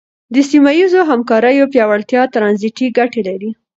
د سیمه ییزو همکاریو پیاوړتیا ترانزیټي ګټې لري.